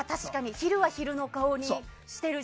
昼は昼の顔にしてるし。